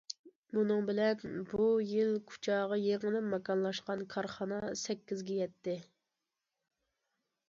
بۇنىڭ بىلەن بۇ يىل كۇچاغا يېڭىدىن ماكانلاشقان كارخانا سەككىزگە يەتتى.